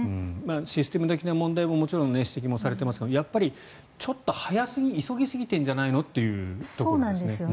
システム的な問題ももちろん指摘もされていますがやっぱりちょっと早すぎ急ぎすぎているというところですよね。